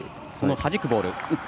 はじくボール。